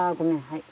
はい。